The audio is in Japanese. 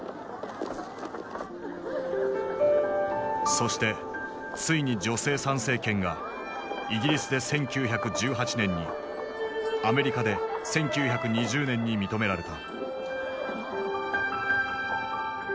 そしてついに女性参政権がイギリスで１９１８年にアメリカで１９２０年に認められた。